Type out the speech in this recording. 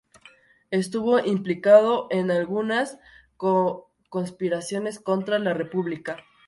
Estuvo implicado en algunas conspiraciones contra la República.